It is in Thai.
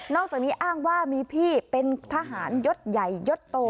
อกจากนี้อ้างว่ามีพี่เป็นทหารยศใหญ่ยศโต